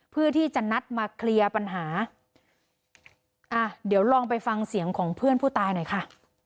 เพื่อที่จะนัดมาเคลียร์ปัญหาอ่ะเดี๋ยวลองไปฟังเสียงของเพื่อนผู้ตายหน่อยค่ะ